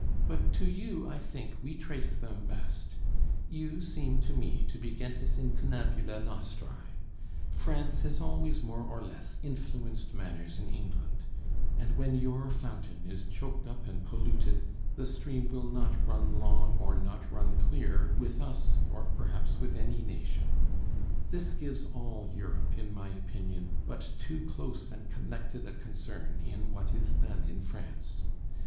But to you, I think, we trace them best. You seem to me to be gentis incunabula nostræ. France has always more or less influenced manners in England; and when your fountain is choked up and polluted the stream will not run long, or not run clear, with us or perhaps with any nation. This gives all Europe, in my opinion, but too close and connected a concern in what is done in France.